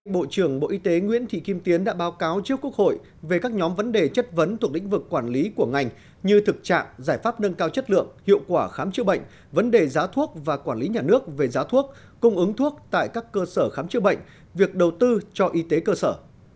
bộ trưởng bộ y tế nguyễn thị kim tiến đã báo cáo trước quốc hội về các nhóm vấn đề chất vấn thuộc lĩnh vực quản lý của ngành như thực trạng giải pháp nâng cao chất lượng hiệu quả khám chữa bệnh vấn đề giá thuốc và quản lý nhà nước về giá thuốc cung ứng thuốc tại các cơ sở khám chữa bệnh việc đầu tư cho y tế cơ sở